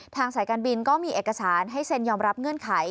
สายการบินก็มีเอกสารให้เซ็นยอมรับเงื่อนไข